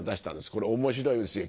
これ面白いですよ